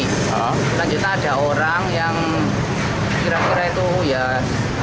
selanjutnya ada orang yang kira kira itu ya